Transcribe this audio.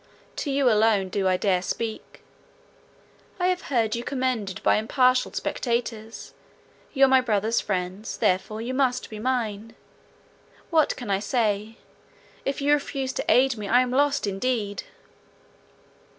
To you alone do I dare speak; I have heard you commended by impartial spectators; you are my brother's friends, therefore you must be mine. What can I say? if you refuse to aid me, I am lost indeed!"